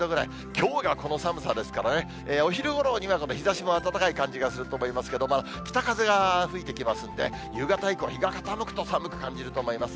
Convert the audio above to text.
きょうがこの寒さですからね、お昼ごろには、日ざしが暖かい感じがすると思いますけど、北風が吹いてきますので、夕方以降、日が傾くと寒く感じると思います。